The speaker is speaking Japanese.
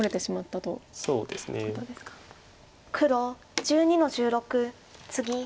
黒１２の十六ツギ。